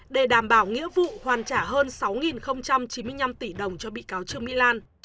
để đảm bảo nghĩa vụ hoàn trả hơn sáu chín mươi năm tỷ đồng cho bị cáo trương mỹ lan